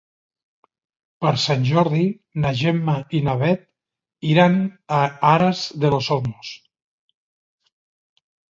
Per Sant Jordi na Gemma i na Bet iran a Aras de los Olmos.